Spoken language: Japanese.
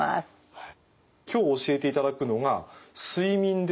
はい。